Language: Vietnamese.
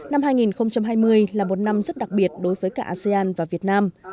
năm hai nghìn hai mươi là một năm rất đặc biệt đối với cả asean và việt nam